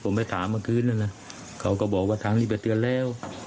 ผมไปถามเมื่อคืนนั้นนะเขาก็บอกว่าทางนี้ไปเตือนแล้ว